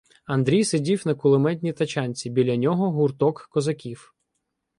Андрій сидів на кулеметній тачанці, біля нього — гурток козаків.